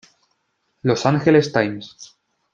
Los Angeles Times.